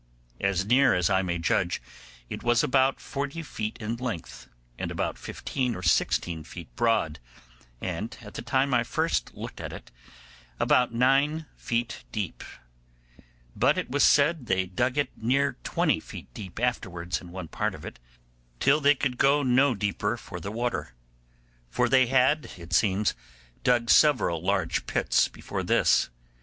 As near as I may judge, it was about forty feet in length, and about fifteen or sixteen feet broad, and at the time I first looked at it, about nine feet deep; but it was said they dug it near twenty feet deep afterwards in one part of it, till they could go no deeper for the water; for they had, it seems, dug several large pits before this.